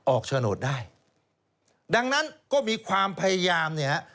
โฉนดได้ดังนั้นก็มีความพยายามเนี่ย